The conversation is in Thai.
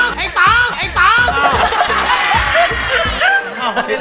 เฮ้ยไอ้ป๋องไอ้ป๋อง